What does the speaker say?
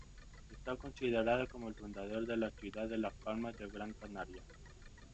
Está considerado como el fundador de la ciudad de Las Palmas de Gran Canaria.